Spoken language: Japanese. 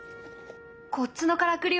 こっちのからくりを見て。